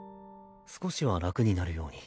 少しは楽になるように。